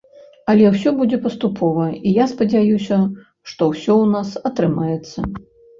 Але ўсё будзе паступова, і я спадзяюся, што ўсё ў нас атрымаецца.